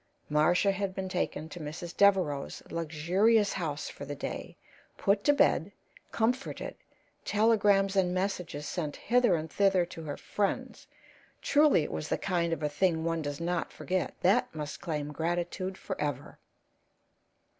Marcia had been taken to Mrs. Devereaux's luxurious house for the day, put to bed, comforted, telegrams and messages sent hither and thither to her friends; truly it was the kind of a thing one does not forget, that must claim gratitude forever.